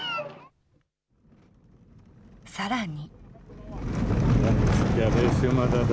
さらに。